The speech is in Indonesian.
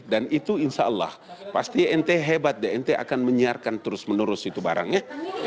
dan itu insya allah pasti nt hebat nt akan menyiarkan terus menerus itu barangnya